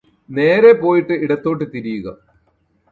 നേരെ പോയിട്ട് ഇടത്തോട്ട് തിരിയുക